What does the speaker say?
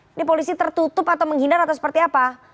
ini polisi tertutup atau menghindar atau seperti apa